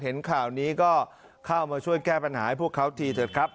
เห็นข่าวนี้ก็เข้ามาช่วยแก้ปัญหาให้พวกเขาทีเถอะครับ